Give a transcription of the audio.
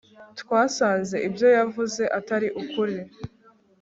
twasanze ibyo yavuze atari ukuri